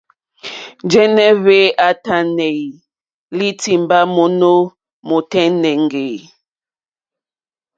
Njɛ̀nɛ̀ hvɛ a tanɛ̀i lì timba mono mondeŋge e.